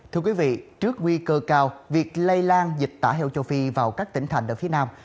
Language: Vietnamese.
thưa quý vị trước nguy cơ cao việc lây lan dịch tả heo châu phi vào các tỉnh thành ở phía nam